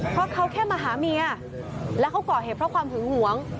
เพราะเขาแค่มาหาเมียแล้วเขาก่อเหตุเพราะความหึงหวง